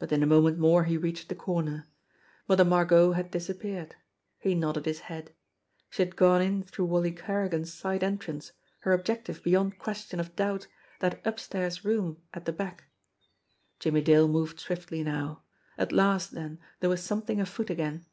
But in a moment more he reached the corner. Mother Margot had disappeared. He nodded his head. She had E^one in through Wally Kerrigan's side entrance, her objec tive beyond question of doubt that upstairs room at the back. Jimmie Dale moved swiftly now. At last, then, there was something afoot again.